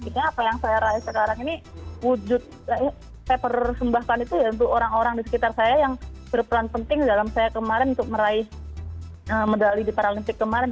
jadi apa yang saya raih sekarang ini wujud saya persembahkan itu ya untuk orang orang di sekitar saya yang serupuran penting dalam saya kemarin untuk meraih medali di paralimpiade kemarin